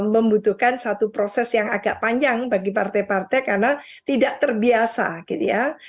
membutuhkan satu proses yang agak panjang bagi partai partai karena tidak terbiasa gitu ya